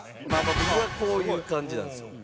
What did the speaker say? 僕はこういう感じなんですよ。